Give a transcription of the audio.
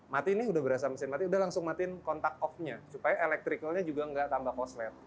mati ini udah berasa mesin mati udah langsung matiin kontak off nya supaya elektrikalnya juga nggak tambah koslet